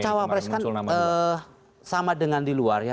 cawapres kan sama dengan di luar ya